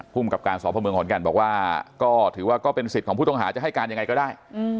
กับการสพเมืองขอนแก่นบอกว่าก็ถือว่าก็เป็นสิทธิ์ของผู้ต้องหาจะให้การยังไงก็ได้